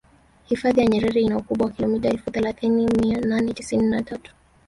hifadhi ya nyerere ina ukubwa wa kilomita elfu thelathini mia nane tisini na tatu